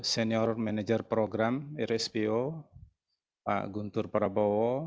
senior manager program rspo pak guntur prabowo